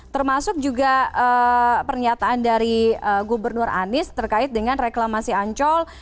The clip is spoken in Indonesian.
termasuk juga pernyataan dari gubernur anies terkait dengan reklamasi ancol